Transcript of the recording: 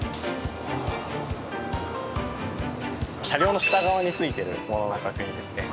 車両の下側についてるものの確認ですね。